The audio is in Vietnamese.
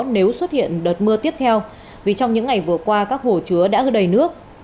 nếu xuất hiện đợt mưa tiếp theo vì trong những ngày vừa qua các hồ chứa đã đầy nước